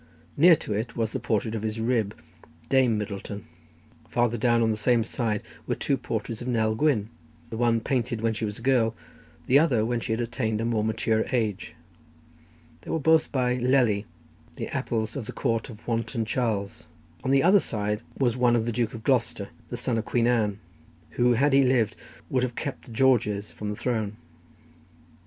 Near to it was the portrait of his rib, Dame Middleton. Farther down on the same side were two portraits of Nell Gwynn; the one painted when she was a girl, the other when she had attained a more mature age. They were both by Lely, the Apelles of the Court of wanton Charles. On the other side was one of the Duke of Gloucester, the son of Queen Anne, who, had he lived, would have kept the Georges from the throne.